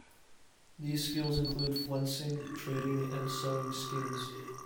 These skills include flensing, treating and sewing skins.